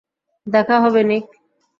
দেখা হবে, নিক।